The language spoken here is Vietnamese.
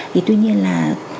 thì tuy nhiên là